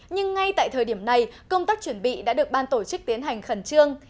nhưng ngay tại thời điểm này công tác chuẩn bị đã được ban tổ chức tiến hành khẩn trương